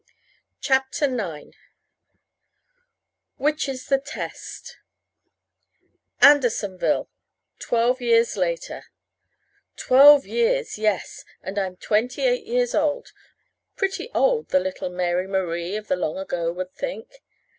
CHAPTER IX WHICH IS THE TEST ANDERSONVILLE. Twelve years later. Twelve years yes. And I'm twenty eight years old. Pretty old, little Mary Marie of the long ago would think.